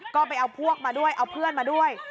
ก็ไปเอาพวกมาด้วยเอาเพื่อนมาด้วย